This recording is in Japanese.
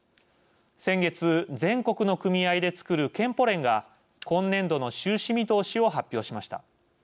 先月全国の組合で作る健保連が今年度の収支見通しを発表しました。